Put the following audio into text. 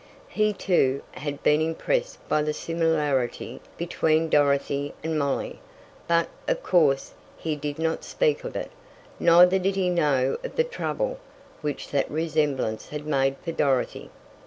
He, too, had been impressed by the similarity between Dorothy and Molly, but, of course, he did not speak of it; neither did he know of the trouble which that resemblance had made for Dorothy.